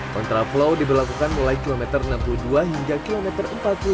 kontraflow diberlakukan mulai kilometer enam puluh dua hingga kilometer empat puluh lima